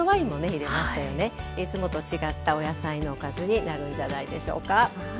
いつもと違ったお野菜のおかずになるんじゃないでしょうか。